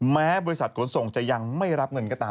แม้บริษัทขนส่งจะยังไม่รับเงินก็ตาม